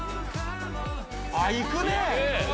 あっ、行くね。